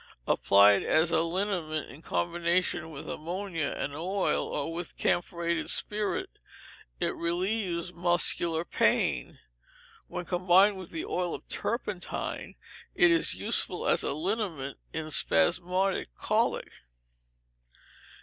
Applied as a liniment, in combination with ammonia and oil, or with camphorated spirit, it relieves muscular pain. When combined with oil of turpentine, it is useful as a liniment in spasmodic colic.